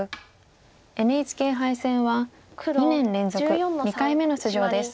ＮＨＫ杯戦は２年連続２回目の出場です。